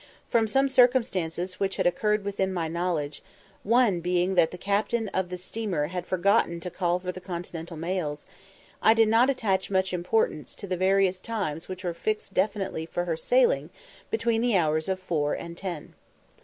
From some circumstances which had occurred within my knowledge one being that the captain of this steamer had forgotten to call for the continental mails I did not attach much importance to the various times which were fixed definitely for her sailing between the hours of four and ten.